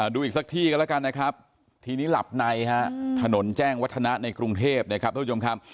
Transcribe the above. ดูอีกสักที่กันแล้วกันนะครับทีนี้หลับในฮะถนนแจ้งวัฒนะในกรุงเทพนะครับทุกผู้ชมครับ